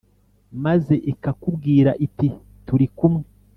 Maze ikakubwira iti turi kumwe